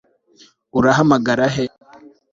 Urahamagara he